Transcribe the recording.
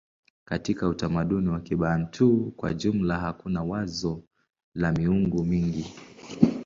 Katika utamaduni wa Kibantu kwa jumla hakuna wazo la miungu mingi.